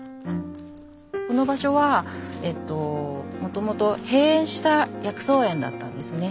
この場所はもともと閉園した薬草園だったんですね。